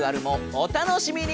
お楽しみに！